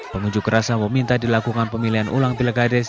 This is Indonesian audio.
pengunjuk rasa meminta dilakukan pemilihan ulang pilihan